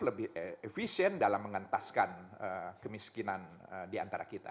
lebih efisien dalam mengentaskan kemiskinan diantara kita